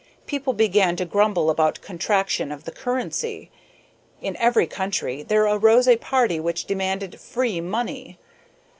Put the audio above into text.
People began to grumble about "contraction of the currency." In every country there arose a party which demanded "free money."